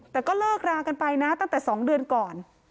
แต่ก็เลิกรากันไปนะตั้งแต่๒เดือนก่อน